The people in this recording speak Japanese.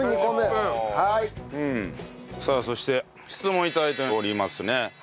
さあそして質問頂いておりますね。